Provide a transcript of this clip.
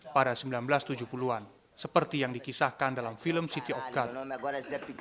pada seribu sembilan ratus tujuh puluh an seperti yang dikisahkan dalam film city of got